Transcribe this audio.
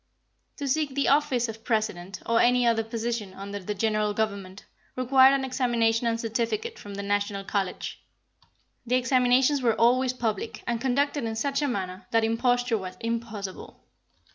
To seek the office of President, or any other position under the General Government, required an examination and certificate from the National College. The examinations were always public, and conducted in such a manner that imposture was impossible.